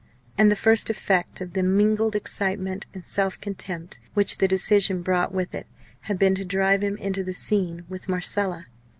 And the first effect of the mingled excitement and self contempt which the decision brought with it had been to drive him into the scene with Marcella.